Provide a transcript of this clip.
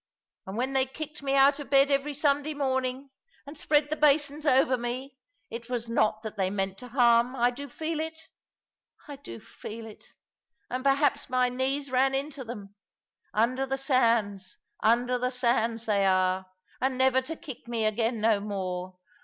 And when they kicked me out of bed every Sunday morning, and spread the basins over me, it was not that they meant to harm I do feel it, I do feel it; and perhaps my knees ran into them. Under the sands, the sands, they are; and never to kick me again no more!